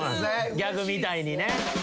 ギャグみたいにね。